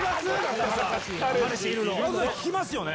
まずは聞きますよね？